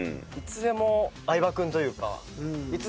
いつでも相葉君というか。